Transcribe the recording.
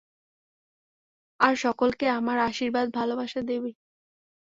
আর সকলকে আমার আশীর্বাদ ভালবাসা দিবি।